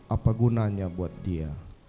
apa gunanya buat dia